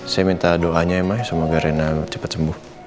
saya minta doanya ya ma semoga rena cepet sembuh